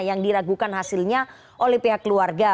yang diragukan hasilnya oleh pihak keluarga